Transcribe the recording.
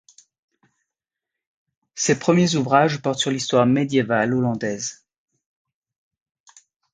Ses premiers ouvrages portent sur l'histoire médiévale hollandaise.